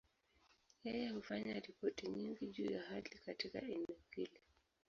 Yeye hufanya ripoti nyingi juu ya hali katika eneo hili.